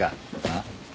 あっ？